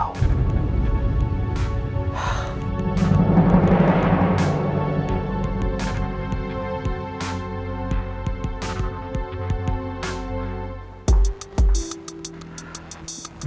aku gak mau